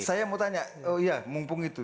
saya mau tanya oh iya mumpung itu